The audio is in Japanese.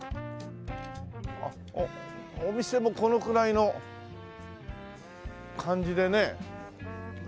あっお店もこのくらいの感じでね。